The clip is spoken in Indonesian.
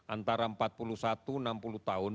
antara empat puluh satu enam puluh tahun